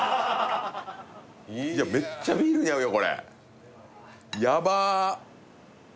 いやめっちゃビールに合うよ